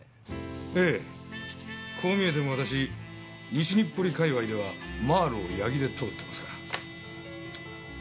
ええこう見えても私西日暮里界隈ではマーロウ・矢木で通ってますから。